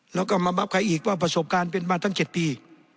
แล้วก็มาบับใครอีกว่าประสบการณ์เป็นมาตั้ง๗ปี